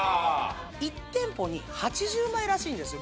１店舗に８０枚らしいんですよ。